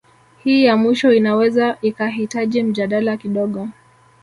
Hii ya mwisho inaweza ikahitaji mjadala kidogo